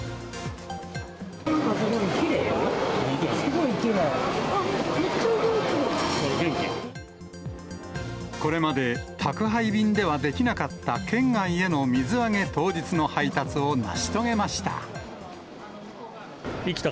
きれいよ、これまで、宅配便ではできなかった県外への水揚げ当日の配達を成し遂げました。